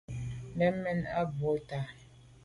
Lèn mèn o bwô tà’.